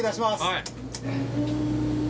はい。